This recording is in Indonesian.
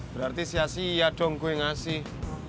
berarti sia sia dong gue ngasih